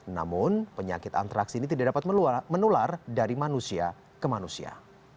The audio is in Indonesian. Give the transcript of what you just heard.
namun penyakit antraks ini tidak dapat menular dari manusia ke manusia